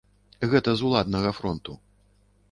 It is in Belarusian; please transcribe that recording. Гэта з уладнага фронту.